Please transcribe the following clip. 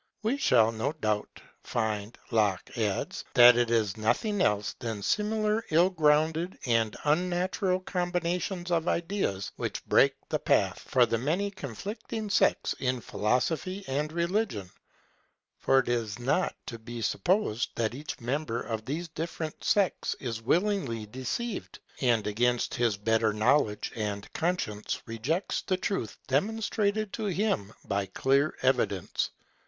We shall no doubt find, Locke adds, that it is nothing else than similar ill grounded and unnatural combi nations of ideas, which break the path for the many conflicting sects in philosophy and religion; for it is not to be supposed that each member of those different sects is willingly deceived, and against his better knowledge and conscience rejects the truth demonstrated to him by clear evidence.